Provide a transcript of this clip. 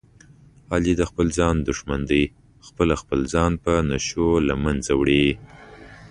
علي د خپل ځان دښمن دی، خپله خپل ځان په نشو له منځه وړي.